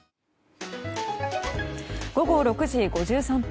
午後６時５３分